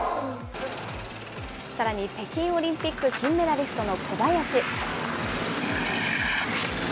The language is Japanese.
さらに北京オリンピック金メダリストの小林。